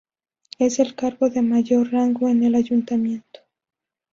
Es el cargo de mayor rango en el ayuntamiento.